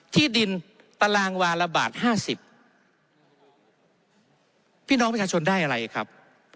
ที่ดินตารางวาละบาทห้าสิบพี่น้องประชาชนได้อะไรครับ